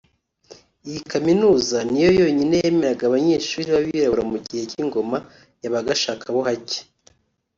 Iyi kaminuza ni yo yonyine yemeraga abanyeshuri b’abirabura mu gihe cy’ingoma ya gashakabuhake